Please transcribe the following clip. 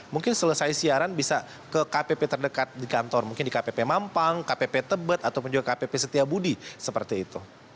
mungkin selesai siaran bisa ke kpp terdekat di kantor mungkin di kpp mampang kpp tebet ataupun juga kpp setiabudi seperti itu